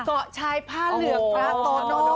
ขอก่อชายผ้าเหลืองพระโตโน